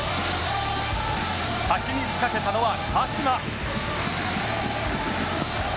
先に仕掛けたのは鹿島